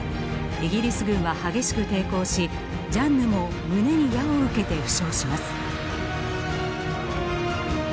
イギリス軍は激しく抵抗しジャンヌも胸に矢を受けて負傷します。